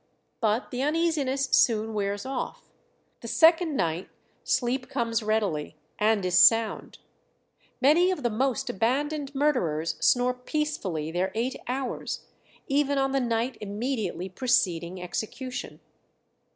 But the uneasiness soon wears off. The second night sleep comes readily, and is sound; many of the most abandoned murderers snore peacefully their eight hours, even on the night immediately preceding execution.